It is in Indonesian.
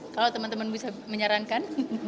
kalau teman teman bisa menyarankan